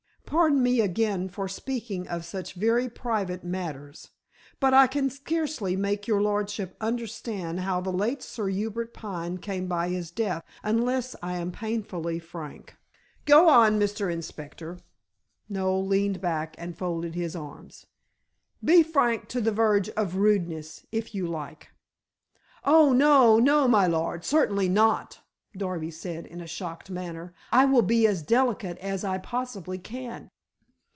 Pardon me again for speaking of such very private matters. But I can scarcely make your lordship understand how the late Sir Hubert Pine came by his death unless I am painfully frank." "Go on, Mr. Inspector," Noel leaned back and folded his arms. "Be frank to the verge of rudeness, if you like." "Oh, no, no, my lord; certainly not," Darby said in a shocked manner. "I will be as delicate as I possibly can.